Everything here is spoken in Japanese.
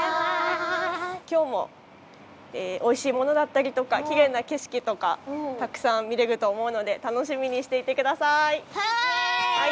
今日もおいしいものだったりとかきれいな景色とかたくさん見れると思うので楽しみにしていてください。